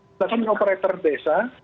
melakukan operator desa